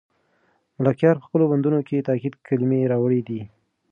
ملکیار په خپلو بندونو کې تاکېدي کلمې راوړي دي.